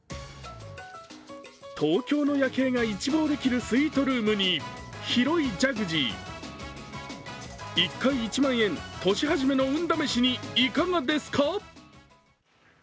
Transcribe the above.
東京の夜景が一望できるスイートルームに広いジャクジー、１回１万円、年初めの運試しにいかがですか？